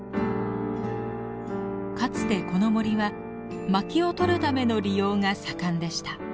かつてこの森は薪を取るための利用が盛んでした。